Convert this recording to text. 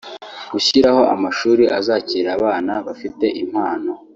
gushyiraho amashuri azakira abana bafite impano